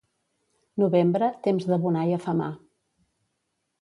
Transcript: Novembre, temps d'abonar i afemar.